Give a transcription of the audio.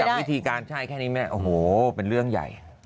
แต่วิธีการใช่แค่นี้แม่โอ้โหเป็นเรื่องใหญ่